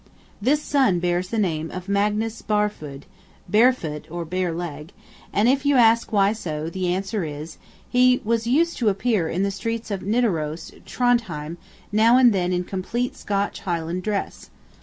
This son bears the name of Magnus Barfod (Barefoot, or Bareleg); and if you ask why so, the answer is: He was used to appear in the streets of Nidaros (Trondhjem) now and then in complete Scotch Highland dress.